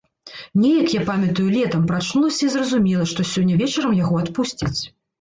Неяк, я памятаю, летам прачнулася і зразумела, што сёння вечарам яго адпусцяць.